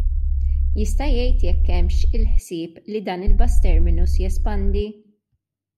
Jista' jgħid jekk hemmx il-ħsieb li dan il-bus terminus jespandi?